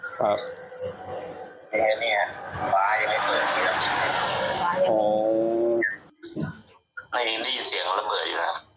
ใครได้ยินเสียงละเบิดอยู่นะครับ